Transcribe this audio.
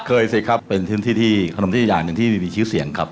เคยสิครับเป็นที่ขนมที่อย่างที่มีชื่อเสียงครับ